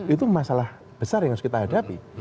itu masalah besar yang harus kita hadapi